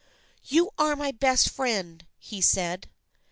" You are my best friend," he said.